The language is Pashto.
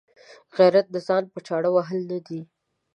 غیرت ځان په چاړه وهل نه دي.